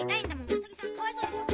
うさぎさんかわいそうでしょ。